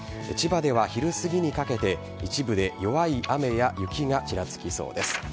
千葉では昼過ぎにかけて一部で弱い雨や雪がちらつきそうです